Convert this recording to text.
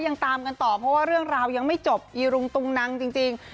ยังตามกันต่อเพราะว่าเรื่องราวยังไม่จบอีรุงตุงนังจริง